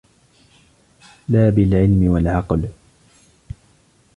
لَا بِالْعِلْمِ وَالْعَقْلِ